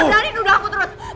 kakak berani duduk aku terus